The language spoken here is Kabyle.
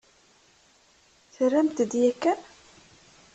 Terramt-d yakan?